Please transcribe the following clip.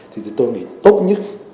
thì tôi nghĩ tốt nhất